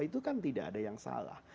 itu kan tidak ada yang salah